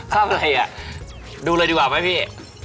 ภาพอะไรอ่ะดูเลยดีกว่าไหมพี่